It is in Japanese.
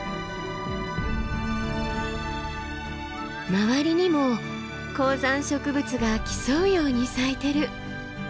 周りにも高山植物が競うように咲いてる。